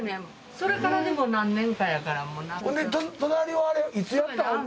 それからでも何年かやから。